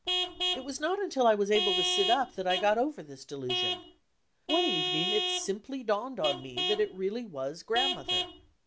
It was not until I was able to sit up that I got over this delusion. One evening it simply dawned on me that it really was Grandmother.